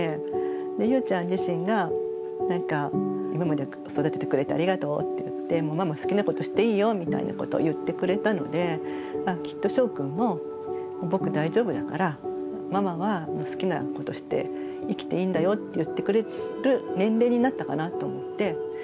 でゆうちゃん自身が今まで育ててくれてありがとうって言ってもうママ好きなことしていいよみたいなことを言ってくれたのできっとしょうくんも僕大丈夫だからママはもう好きなことして生きていいんだよって言ってくれる年齢になったかなと思って。